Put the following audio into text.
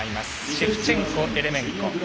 シェフチェンコ、エレメンコ。